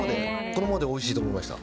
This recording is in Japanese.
僕、このままでおいしいと思いました。